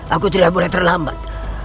aku tidak boleh terlambat